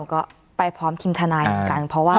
ก็ไปพร้อมทีมทานายกันเพราะว่า